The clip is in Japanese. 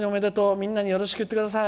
みんなによろしく言ってください。